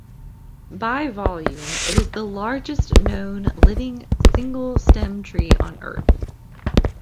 By volume, it is the largest known living single stem tree on Earth.